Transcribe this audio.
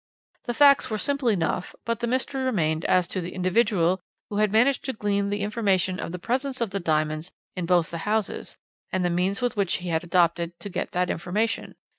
The facts were simple enough, but the mystery remained as to the individual who had managed to glean the information of the presence of the diamonds in both the houses, and the means which he had adopted to get that information.